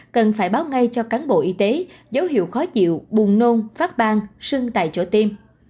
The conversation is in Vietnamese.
cần phải báo ngay cho cán bộ y tế dấu hiệu khó chịu buồn nôn phát bang sưng tại chỗ tiêm